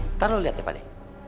ntar lo liat ya pane